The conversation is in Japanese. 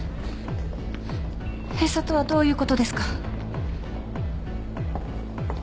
閉鎖とはどういうことですか？